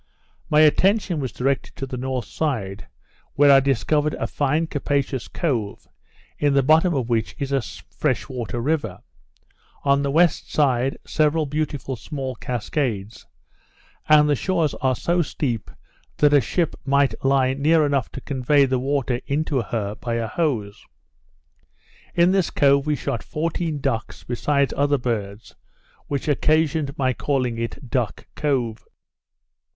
My attention was directed to the north side, where I discovered a fine capacious cove, in the bottom of which is a fresh water river; on the west side several beautiful small cascades; and the shores are so steep that a ship might lie near enough to convey the water into her by a hose. In this cove we shot fourteen ducks, besides other birds, which occasioned my calling it Duck Cove.